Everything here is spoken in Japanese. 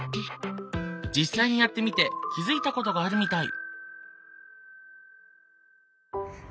実際にやってみて気づいたことがあるみたい。